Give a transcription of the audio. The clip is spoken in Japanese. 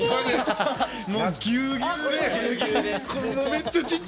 もうぎゅうぎゅうで。